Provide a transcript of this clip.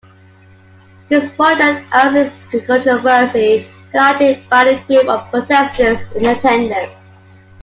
This project has its controversy, highlighted by a group of protesters in attendance.